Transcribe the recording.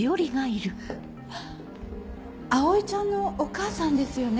葵ちゃんのお母さんですよね？